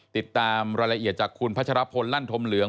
ติดตามรายละเอียดจากคุณพัชรพลลั่นธมเหลือง